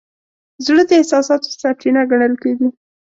زړه د احساساتو سرچینه ګڼل کېږي.